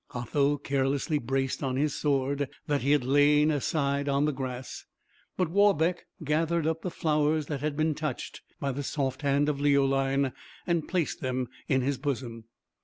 Otho carelessly braced on his sword, that he had laid aside on the grass; but Warbeck gathered up the flowers that had been touched by the soft hand of Leoline, and placed them in his bosom.